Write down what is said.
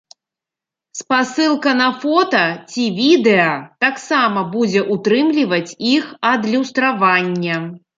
Спасылка на фота ці відэа таксама будзе ўтрымліваць іх адлюстраванне.